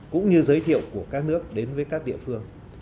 cũng như giới thiệu của các nước đến với các địa phương